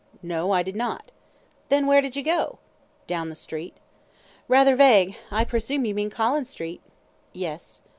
"No; I did not." "Then where did you go?" "Down the street." "Rather vague. I presume you mean Collins Street?" "Yes."